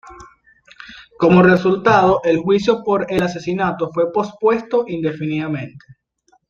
Como resultado, el juicio por el asesinato fue pospuesto indefinidamente.